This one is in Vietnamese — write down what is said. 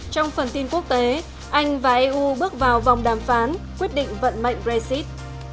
trong phần tin quốc tế anh và eu bước vào vòng đàm phán quyết định vận mệnh brexit